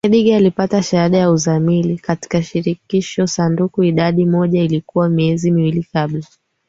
Edgar alipata shahada ya uzamili katika Shirikisho sanduku idadi moja Ilikuwa miezi miwili kabla